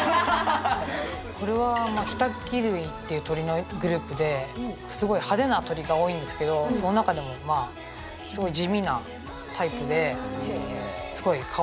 これはヒタキ類っていう鳥のグループですごい派手な鳥が多いんですけどその中でもまあすごい地味なタイプですごいかわいくて。